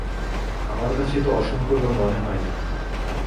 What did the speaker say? আমার কাছে তো অসম্পূর্ণ মনে হয় না।